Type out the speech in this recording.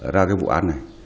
ra cái vụ án này